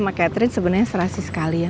makasih banyak ya